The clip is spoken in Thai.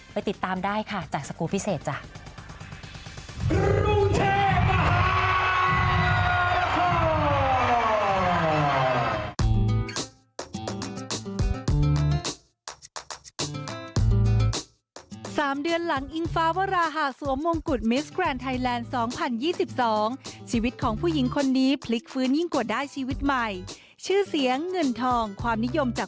ติดตามได้ค่ะจากสกูลพิเศษจ้ะ